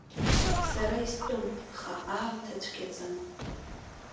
Сара истәым, аха аамҭа цәгьаӡам.